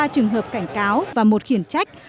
ba trường hợp cảnh cáo và một khiển trách